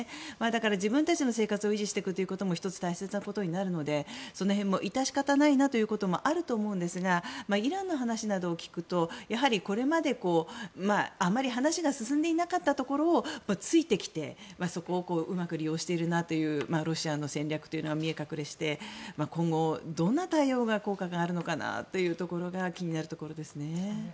だから自分たちの生活を維持していくことも大切なことになるのでその辺も致し方ないなということもあるとは思うんですがイランの話を聞くと、これまではあまり話が進んでいなかったところを突いてきてそこをうまく利用しているなというロシアの戦略が見え隠れして今後、どんな対応に効果があるのかなというところが気になるところですね。